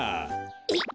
えっ！